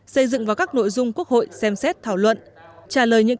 xây dựng vào các nội dung quốc hội xem xét thảo luận